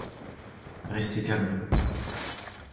Restez calme.